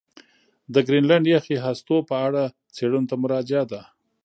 د ګرینلنډ یخي هستو په اړه څېړنو ته مراجعه ده.